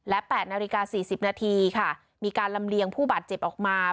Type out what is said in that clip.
และแปดนาฬิกาสี่สิบนาทีค่ะมีการลำเลียงผู้บัตรเจ็บออกมา